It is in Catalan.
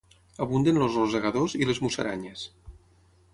Abunden els rosegadors i les musaranyes.